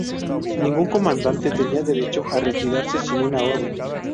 Ningún comandante tenía derecho a retirarse sin una orden.